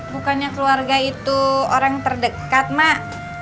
bukannya keluarga itu orang terdekat mak